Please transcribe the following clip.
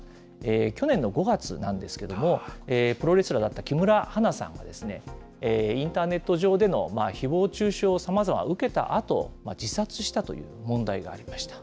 去年の５月なんですけども、プロレスラーだった木村花さんがですね、インターネット上でのひぼう中傷、さまざま受けたあと、自殺したという問題がありました。